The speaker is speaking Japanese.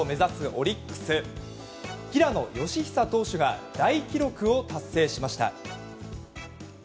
オリックス平野佳寿投手が大記録を達成しました。